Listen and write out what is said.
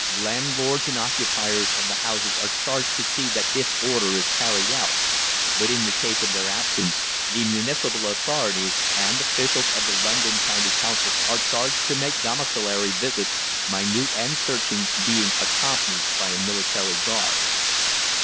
Landlords and occupiers of houses are charged to see that this order is carried out, but in the case of their absence the municipal authorities and officials of the London County Council are charged to make domiciliary visits, minute and searching, being accompanied by a military guard.